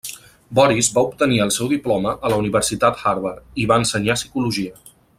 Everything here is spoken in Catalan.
Boris va obtenir el seu diploma a la Universitat Harvard, i hi va ensenyar psicologia.